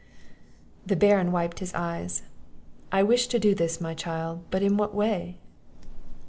The Baron wiped his eyes; "I wish to do this, my child, but in what way?"